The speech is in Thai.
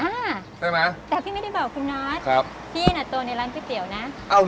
ใช่ไหมแต่พี่ไม่ได้บอกคุณนอทครับพี่น่ะโตในร้านก๋วยเตี๋ยวนะ